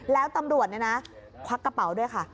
แล้วตำรวจเนี่ยนะควักกระเป๋าด้วยค่ะ